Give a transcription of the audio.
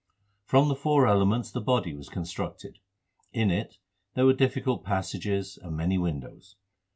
7 From the four elements the body 8 was constructed. In it there were difficult passages and many windows.